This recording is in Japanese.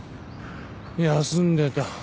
休んでた。